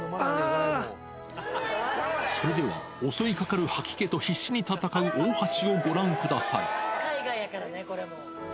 それでは、襲いかかる吐き気と必死に戦う大橋をご覧ください。